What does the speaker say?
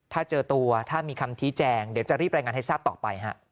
ถ้าเจอตัวถ้ามีคำชี้แจงเดี๋ยวจะรีบรายงานให้ทราบต่อไปฮะ